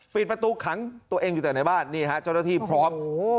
ปิดประตูขังตัวเองอยู่แต่ในบ้านนี่ฮะเจ้าหน้าที่พร้อม